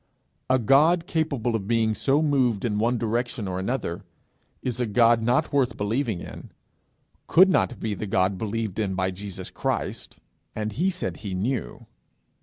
A God capable of being so moved in one direction or another, is a God not worth believing in could not be the God believed in by Jesus Christ and he said he knew.